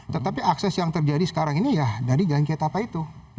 tetapi akses yang terjadi sekarang ini ya dari jalan kiai tapa itu